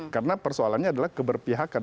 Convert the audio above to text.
karena persoalannya adalah keberpihakan